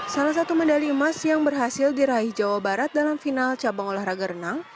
salah satu medali emas yang berhasil diraih jawa barat dalam final cabang olahraga renang